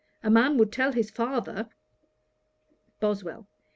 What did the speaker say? A man would tell his father.' BOSWELL.